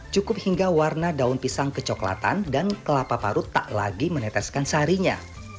cukup hingga warna daun pisang kecoklatan dan kelapa parut tak lagi meneteskan sarinya